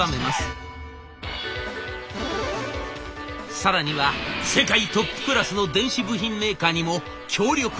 更には世界トップクラスの電子部品メーカーにも協力を依頼。